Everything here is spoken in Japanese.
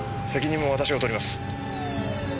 責任も私が取ります。